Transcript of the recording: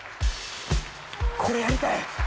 これやりたい！